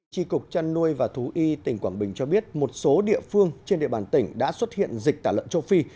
tri cục trăn nuôi và thú y tỉnh quảng bình cho biết một số địa phương trên địa bàn tỉnh đã xuất hiện dịch tả lợn châu phi